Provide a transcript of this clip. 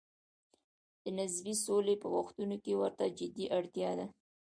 د نسبي سولې په وختونو کې ورته جدي اړتیا ده.